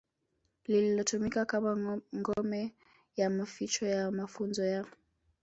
lililotumika kama ngome ya maficho ya mafunzo ya